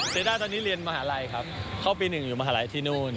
ด้าตอนนี้เรียนมหาลัยครับเข้าปี๑อยู่มหาลัยที่นู่น